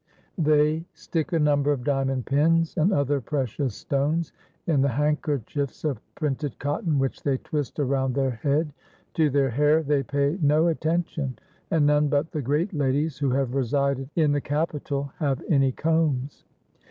"They stick a number of diamond pins and other precious stones in the handkerchiefs of printed cotton which they twist around their head. To their hair they pay no attention, and none but the great ladies who have resided in the capital have any combs.